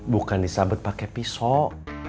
bukan disabet pakai pisau